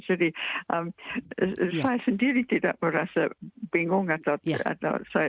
jadi saya sendiri tidak merasa bingung atau